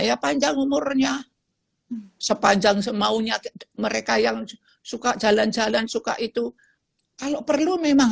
ya panjang umurnya sepanjang semaunya mereka yang suka jalan jalan suka itu kalau perlu memang